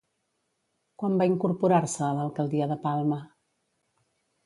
Quan va incorporar-se a l'alcaldia de Palma?